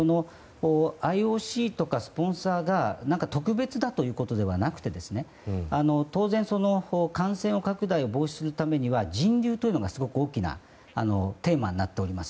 ＩＯＣとかスポンサーが特別だということではなくて感染拡大を防止するためには人流が大きなテーマになっております。